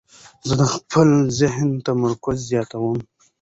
زه د خپل ذهن تمرکز زیاتوم.